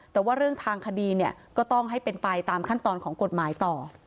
แต่ว่าเรื่องทางคดีเนี่ยก็ต้องให้เป็นไปตามขั้นตอนของกฎหมายต่อ